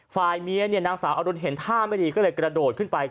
ฝ่ายเมียเนี่ยนางสาวอรุณเห็นท่าไม่ดีก็เลยกระโดดขึ้นไป